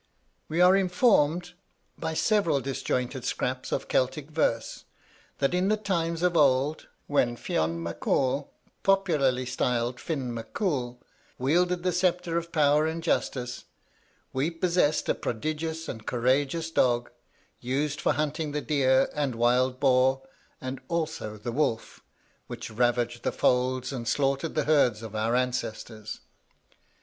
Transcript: "We are informed by several disjointed scraps of Celtic verse, that in the times of old, when Fionn Mac Cumhaill, popularly styled Finn Mac Cool, wielded the sceptre of power and justice, we possessed a prodigious and courageous dog, used for hunting the deer and wild boar, and also the wolf, which ravaged the folds and slaughtered the herds of our ancestors.